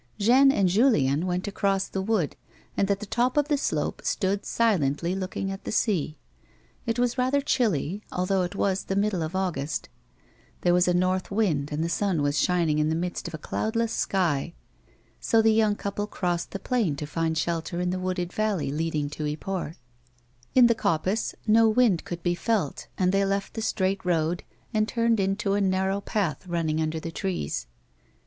Jeanne and Julien went across the wood, and at the top of the slope stood silently looking at the sea. It was rather chilly, although it was the middle of August ; there was a north wind, and the sun was shining in the midst of a cloud less sky, so the young couple crossed the plain to find shelter in the wooded valley leading to Yport. In the A WOMAN'S LIFE. 53 coppice no wind could be felt, and they left the straight road and turned into a narrow path running under the trees.